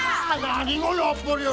何がやっぱりや。